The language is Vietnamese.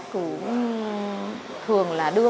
cũng thường là đưa